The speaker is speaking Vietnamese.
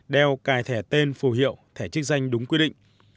đeo cài thẻ tên phù hiệu thẻ chức danh đúng quy định